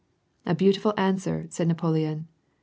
" A beautiful answer," said Napoleon.